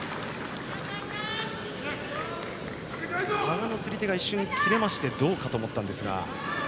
羽賀の釣り手が一瞬切れましてどうかと思ったんですが。